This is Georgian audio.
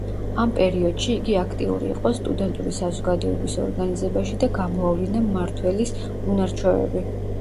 ამ პერიოდში იგი აქტიური იყო სტუდენტური საზოგადოების ორგანიზებაში და გამოავლინა მმართველის უნარ-ჩვევები.